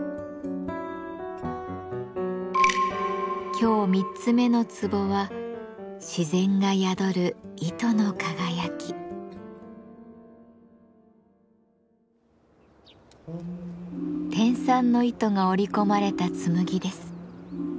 今日三つ目のツボは天蚕の糸が織り込まれた紬です。